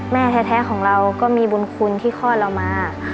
แม่แท้ของเราก็มีบุญคุณที่คลอดเรามา